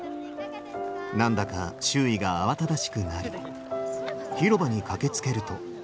何だか周囲が慌ただしくなり広場に駆けつけると。